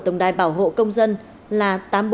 tổng đài bảo hộ công dân là